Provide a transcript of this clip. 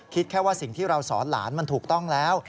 แค่ว่าสิ่งที่เราสอนหลานมันถูกต้องแล้ว